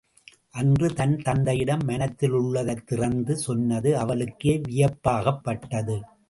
அன்று தன் தந்தையிடம் மனத்திலுள்ளதைத் திறந்து சொன்னது, அவளுக்கே வியப்பாகப்பட்டது.